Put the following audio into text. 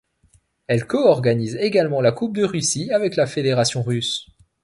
Elle co-organise également la Coupe de Russie avec la fédération russe.